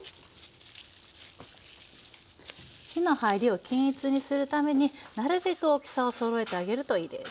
火の入りを均一にするためになるべく大きさをそろえてあげるといいです。